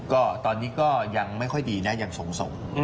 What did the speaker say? ก็ตอนนี้ก็ยังไม่ค่อยดีนะยังส่ง